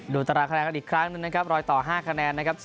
ตารางคะแนนกันอีกครั้งหนึ่งนะครับรอยต่อ๕คะแนนนะครับ